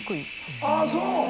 あっそう！